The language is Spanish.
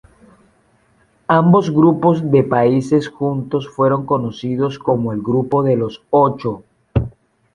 Ambos grupos de países juntos fueron conocidos como el Grupo de los Ocho.